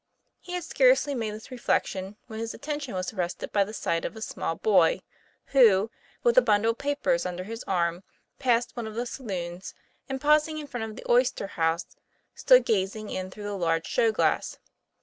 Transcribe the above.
He had scarcely made this reflection when his attention was arrested by the sight of a small boy, who, with a bundle of papers under his arm, passed one of the saloons, and, pausing in front of the oys ter house, stood gazing in through the large show glass.